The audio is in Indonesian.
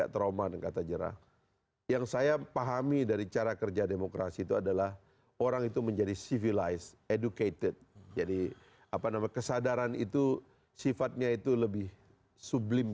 terima kasih pak faris